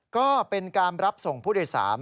ก็เป็นการรับส่งผู้โดยสาร